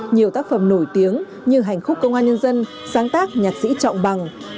nhiều tác phẩm nổi tiếng như hành khúc công an nhân dân sáng tác nhạc sĩ trọng bằng